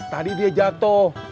tadi dia jatuh